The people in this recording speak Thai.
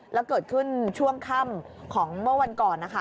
แล้วเกิดขึ้นช่วงค่ำของเมื่อวันก่อนนะคะ